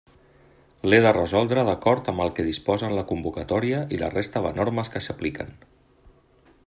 L'he de resoldre d'acord amb el que disposen la convocatòria i la resta de normes que s'apliquen.